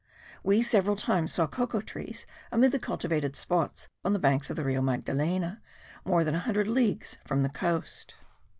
We several times saw cocoa trees amid the cultivated spots on the banks of the Rio Magdalena, more than a hundred leagues from the coast.